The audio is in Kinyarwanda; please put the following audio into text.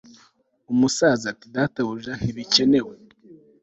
Umusaza ati Databuja ntibikenewe